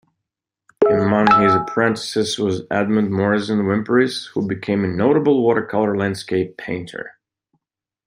Amongst his apprentices was Edmund Morison Wimperis, who became a notable watercolour landscape painter.